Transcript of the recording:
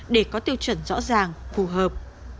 để có tiêu chuẩn rõ ràng phù hợp